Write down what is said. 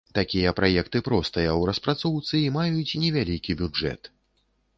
Такія праекты простыя ў распрацоўцы і маюць невялікі бюджэт.